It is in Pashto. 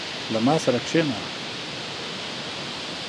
• له ما سره کښېنه.